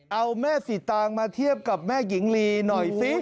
เอาแม่สีตางมาเทียบกับแม่หญิงลีหน่อยสิ